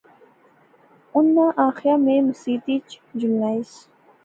اُناں آخیا میں مسیتی اچ جلنس